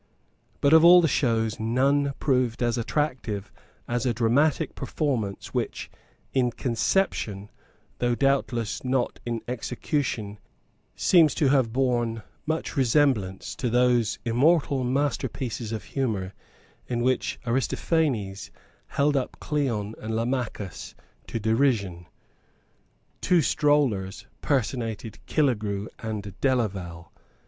But of all the shows none proved so attractive as a dramatic performance which, in conception, though doubtless not in execution, seems to have borne much resemblance to those immortal masterpieces of humour in which Aristophanes held up Cleon and Lamachus to derision. Two strollers personated Killegrew and Delaval.